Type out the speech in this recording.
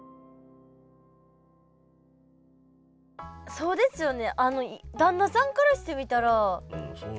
そうですよね。